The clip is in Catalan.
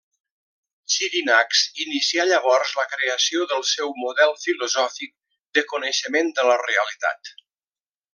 Xirinacs inicià llavors la creació del seu model filosòfic de coneixement de la realitat.